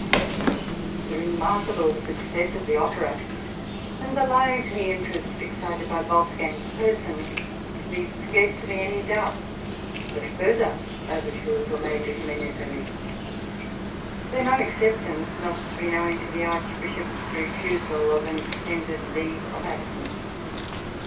The remarkable success of the opera, and the lively interest excited by Wolfgang's person, leaves scarcely any doubt that further overtures were made to him in Italy; their non acceptance must have been owing to the Archbishop's refusal of an extended leave of absence.